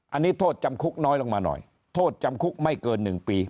อันนี้โทษจำคุกน้อยลงมาหน่อยโทษจำคุกไม่เกิน๑ปี